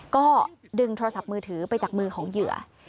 ก็ดึงโทรศัพท์มือถือไปจากมือของเหยื่อ